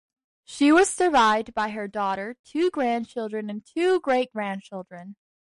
She was survived by her daughter, two grandchildren and two great-grandchildren.